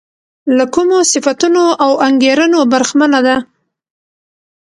له کومو صفتونو او انګېرنو برخمنه ده.